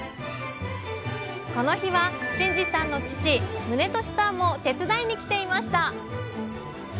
この日は新二さんの父宗利さんも手伝いに来ていました。